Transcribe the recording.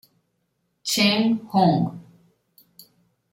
Chen Hong.